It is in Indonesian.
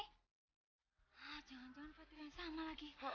hah jangan jangan fatir sama lagi